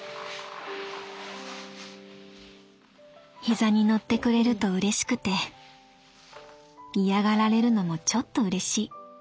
「膝に乗ってくれると嬉しくて嫌がられるのもちょっと嬉しい。